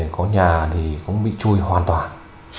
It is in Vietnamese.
có nhà thì cũng bị chui hoàn toàn